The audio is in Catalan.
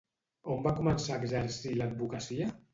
On va començar a exercir l'advocacia?